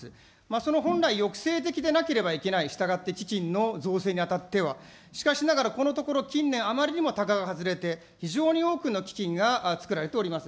その本来抑制的でなければいけない、したがって、基金の造成にあたっては。しかしながらこのところ近年、あまりにもたがが外れて、非常に多くの基金が作られております。